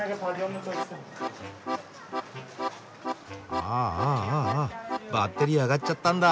ああああバッテリー上がっちゃったんだ。